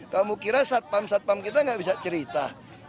kamu kira satpam satpam kita nggak bisa cerita